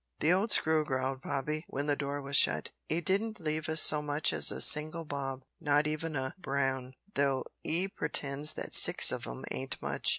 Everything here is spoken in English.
"The old screw," growled Bobby, when the door was shut. "'E didn't leave us so much as a single bob not even a brown, though 'e pretends that six of 'em ain't much."